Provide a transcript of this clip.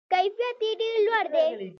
کیفیت یې ډیر لوړ دی.